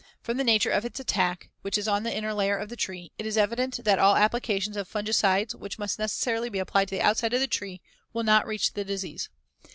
From the nature of its attack, which is on the inner layer of the tree, it is evident that all applications of fungicides, which must necessarily be applied to the outside of the tree, will not reach the disease.